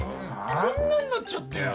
こんなんなっちゃってよ。